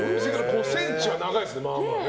５ｃｍは長いですね、まあまあ。